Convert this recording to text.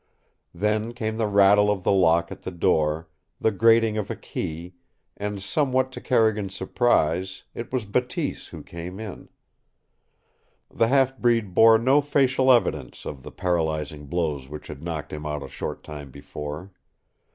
Then came the rattle of the lock at the door, the grating of a key, and somewhat to Carrigan's surprise it was Bateese who came in. The half reed bore no facial evidence of the paralyzing blows which had knocked him out a short time before.